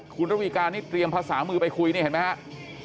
คุณระวีการนี่เตรียมภาษามือไปคุยนี่เห็นไหมครับ